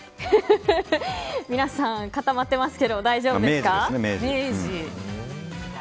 皆さん、固まってますけど大丈夫ですか？